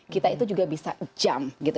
kita itu juga bisa ajump gitu